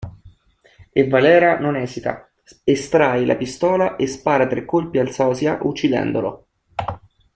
E Valera non esita: estrae la pistola e spara tre colpi al sosia, uccidendolo.